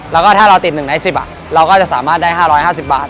แล้วก็ถ้าเราติด๑ใน๑๐เราก็จะสามารถได้๕๕๐บาท